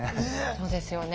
そうですよね。